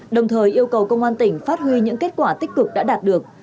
đồng thời yêu cầu công an tỉnh phát huy những kết quả tích cực đã đạt được